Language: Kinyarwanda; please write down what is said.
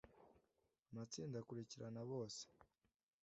Amatsinda akurikirana bose.